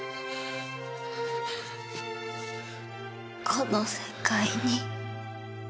この世界に。